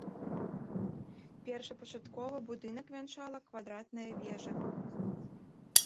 Першапачаткова будынак вянчала квадратная вежа.